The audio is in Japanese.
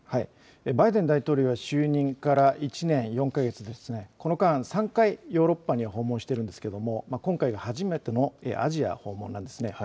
バイデン大統領は就任から１年４か月、この間、３回ヨーロッパを訪問しているんですが今回が初めてのアジア訪問なんです。